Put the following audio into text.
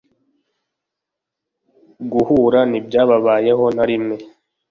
guhura ni byababayeho narimwe